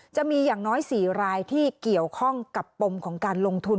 จะมีอย่างน้อย๔รายที่เกี่ยวข้องกับปมของการลงทุน